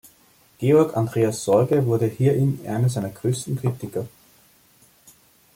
Georg Andreas Sorge wurde hierin einer seiner größten Kritiker.